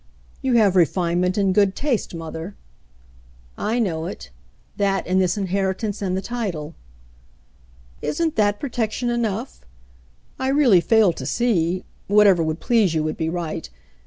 "You have refinement and good taste, mother." "I know it; that and this inheritance and the title." "Isn't that 'protection' enough ? I really fail to see — Whatever would please you would be right.